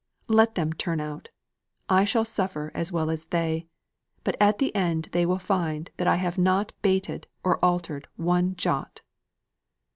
Let them turn out! I shall suffer as well as they: but in the end they will find I have not bated nor altered one jot."